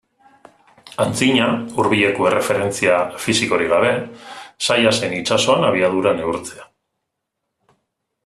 Antzina, hurbileko erreferentzia fisikorik gabe, zaila zen itsasoan abiadura neurtzea.